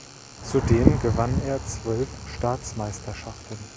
Zudem gewann er zwölf Staatsmeisterschaften.